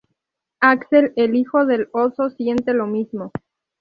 Axel, el hijo del Oso siente lo mismo.